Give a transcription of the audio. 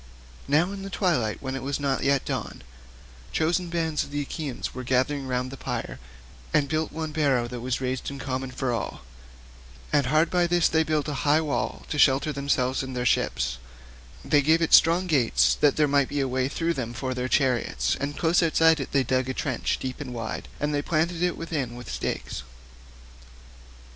Now in the twilight when it was not yet dawn, chosen bands of the Achaeans were gathered round the pyre and built one barrow that was raised in common for all, and hard by this they built a high wall to shelter themselves and their ships; they gave it strong gates that there might be a way through them for their chariots, and close outside it they dug a trench deep and wide, and they planted it within with stakes.